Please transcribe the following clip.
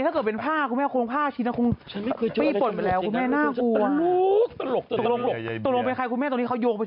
ตะลุคตะลุคร